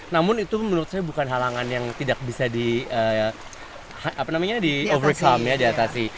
namun itu menurut saya bukan halangan yang tidak bisa di overcome ya di atasi